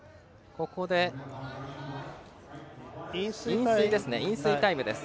ここで飲水タイムです。